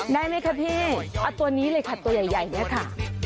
ได้ไหมคะพี่เอาตัวนี้เลยค่ะตัวใหญ่เนี่ยค่ะ